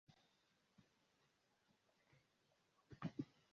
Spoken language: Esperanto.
La regiono estas plena je lagoj, kiuj aparte multas en la oriento.